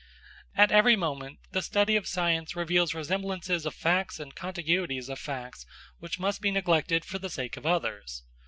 At every moment the study of science reveals resemblances of facts and contiguities of facts which must be neglected for the sake of others.